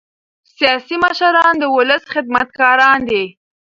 سیاسي مشران د ولس خدمتګاران دي